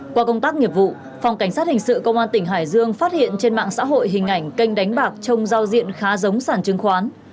qua công tác nghiệp vụ phòng cảnh sát hình sự công an tỉnh hải dương phát hiện trên mạng xã hội hình ảnh kênh đánh bạc trong giao diện khá giống sản chứng khoán